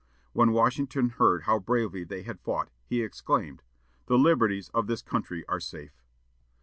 When Washington heard how bravely they had fought, he exclaimed: "The liberties of the country are safe."